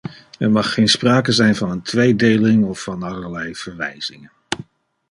Er mag geen sprake zijn van een tweedeling of van allerlei verwijzingen.